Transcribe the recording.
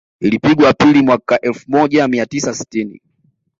Ilipigwa Aprili mwaka wa elfu moja mia tisa tisini